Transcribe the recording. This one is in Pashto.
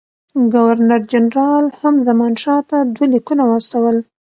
ګورنر جنرال هم زمانشاه ته دوه لیکونه واستول.